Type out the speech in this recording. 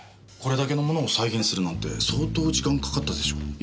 これだけのものを再現するなんて相当時間かかったでしょう。